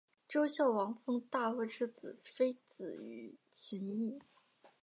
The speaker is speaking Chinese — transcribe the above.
周孝王封大骆之子非子于秦邑。